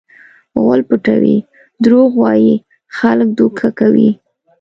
غول پټوي؛ دروغ وایي؛ خلک دوکه کوي.